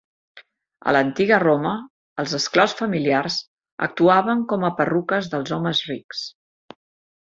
A l'Antiga Roma, els esclaus familiars actuaven com a perruques dels homes rics.